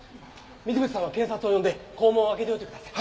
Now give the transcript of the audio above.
水口さんは警察を呼んで校門を開けておいてください。